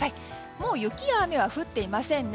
もう雪や雨は降っていませんね。